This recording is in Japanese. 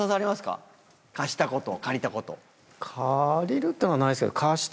借りるっていうのはないですけど。